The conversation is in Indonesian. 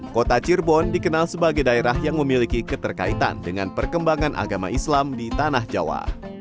kota cirebon dikenal sebagai daerah yang memiliki keterkaitan dengan perkembangan agama islam di tanah jawa